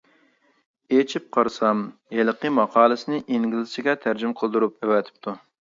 ئېچىپ قارىسام، ھېلىقى ماقالىسىنى ئىنگلىزچىگە تەرجىمە قىلدۇرۇپ ئەۋەتىپتۇ.